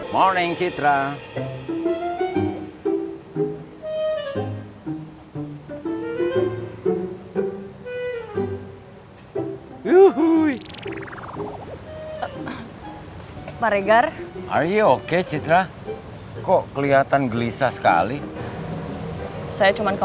pasti polis kenceng